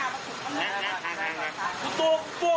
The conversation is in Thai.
มึงมาจี้พวกกูว่า